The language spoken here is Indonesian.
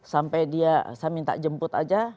sampai dia saya minta jemput aja